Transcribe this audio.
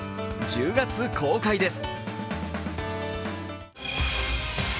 １０月公開です。